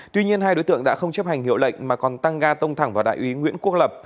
tuy nhiên hai đối tượng đã không chấp hành hiệu lệnh mà còn tăng ga tông thẳng vào đại úy nguyễn quốc lập